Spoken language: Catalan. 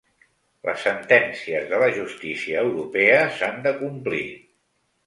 Les sentències de la justícia europea s'han de complir.